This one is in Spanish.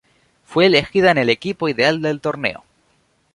Fue elegida en el equipo ideal del torneo.